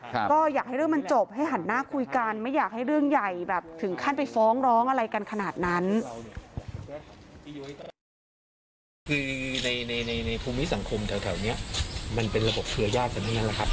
ตอนนี้ผมก็พยายามมากี่อย่างที่ป้องกันกับเรื่องการค